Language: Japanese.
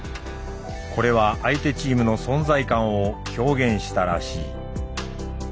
これは相手チームの存在感を表現したらしい。